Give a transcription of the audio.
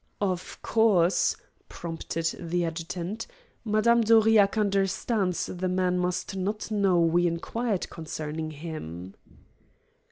"Of course," prompted the adjutant, "Madame d'Aurillac understands the man must not know we inquired concerning him."